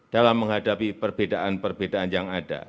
dalam menghadapi perbedaan perbedaan yang ada